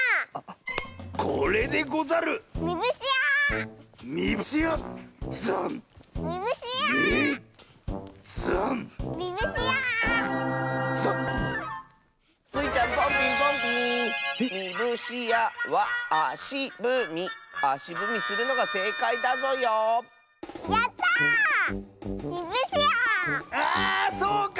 あそうか！